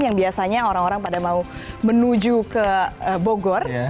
yang biasanya orang orang pada mau menuju ke bogor